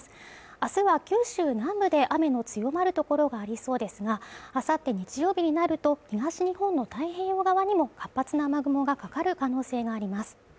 明日は九州南部で雨の強まるところがありそうですが、あさって日曜日になると東日本の太平洋側にも活発な雨雲がかかる可能性があります。